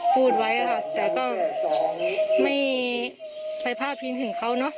พูดไว้ค่ะแต่ก็ไม่ไปพาดพิงถึงเขาเนอะ